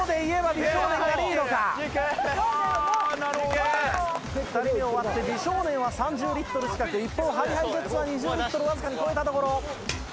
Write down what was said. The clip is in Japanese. ２人目終わって美少年は３０リットル近く一方ＨｉＨｉＪｅｔｓは２０リットルわずかに超えたところ。